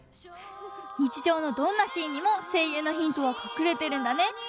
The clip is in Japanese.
にちじょうのどんなシーンにも声優のヒントはかくれてるんだね。